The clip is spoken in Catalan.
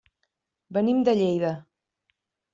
Venim de Lleida.